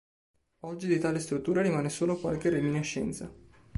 Oggi di tale struttura rimane solo qualche reminiscenza.